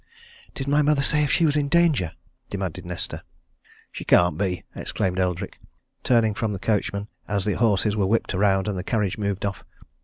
"Did my mother say if she was in danger?" demanded Nesta. "She can't be!" exclaimed Eldrick, turning from the coachman, as the horses were whipped round and the carriage moved off.